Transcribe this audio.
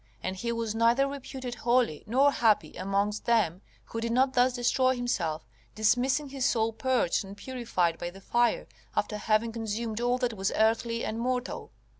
And he was neither reputed holy nor happy amongst them who did not thus destroy himself, dismissing his soul purged and purified by the fire, after having consumed all that was earthly and mortal.